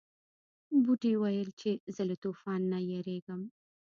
بوټي ویل چې زه له طوفان نه یریږم.